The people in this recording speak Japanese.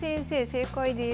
正解です。